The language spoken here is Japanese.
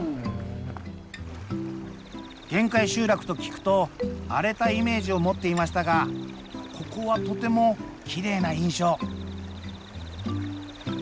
限界集落と聞くと荒れたイメージを持っていましたがここはとてもきれいな印象。